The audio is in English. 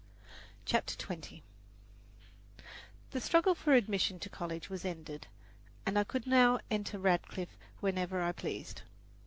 CHAPTER XX The struggle for admission to college was ended, and I could now enter Radcliffe whenever I pleased.